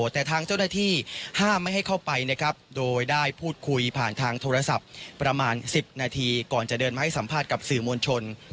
แต่ทางเจ้าหน้าที่ห้ามไม่ให้เข้าไปนะครับโดยได้พูดคุยผ่านทางโทรศัพท์ประมาณ๑๐นาทีก่อนจะเดินมาให้สัมภาษณ์กับสื่อมวลชน